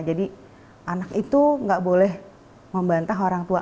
jadi anak itu nggak boleh membantah orang tua